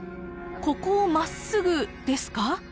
ここをまっすぐですか？